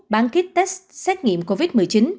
bán kết test xét nghiệm covid một mươi chín